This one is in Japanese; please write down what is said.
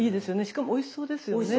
しかもおいしそうですよね。